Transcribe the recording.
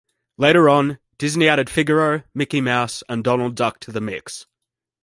Later on, Disney added Figaro, Mickey Mouse, and Donald Duck to the mix.